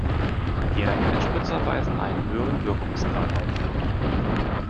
Direkteinspritzer weisen einen höheren Wirkungsgrad auf.